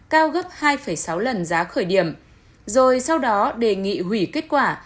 cao gấp hai sáu lần giá khởi điểm rồi sau đó đề nghị hủy kết quả